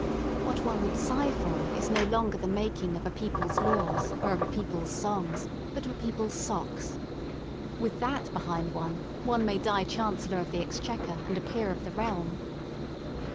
What one would sigh for is no longer the making of a people's laws or of a people's songs, but of a people's socks. With that behind one, one may die Chancellor of the Exchequer and a peer of the realm.